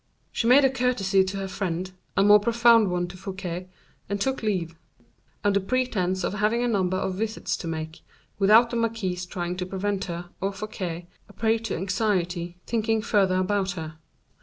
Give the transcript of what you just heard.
She made a courtesy to her friend, a more profound one to Fouquet, and took leave, under pretense of having a number of visits to make, without the marquise trying to prevent her, or Fouquet, a prey to anxiety, thinking further about her.